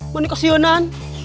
gue dikasih yonan